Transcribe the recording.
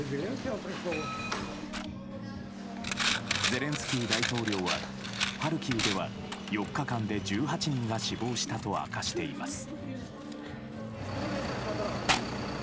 ゼレンスキー大統領はハルキウでは４日間で１８人が死亡したと明かしています。